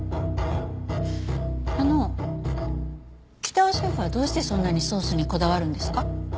あの北尾シェフはどうしてそんなにソースにこだわるんですか？